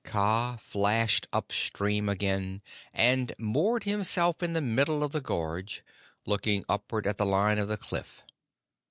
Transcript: He flashed up stream again, and moored himself in the middle of the gorge, looking upward at the line of the cliff.